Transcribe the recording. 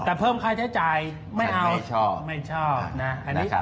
แต่เพิ่มค่าใช้จ่ายไม่เอาฉันไม่ชอบไม่ชอบนะนะครับ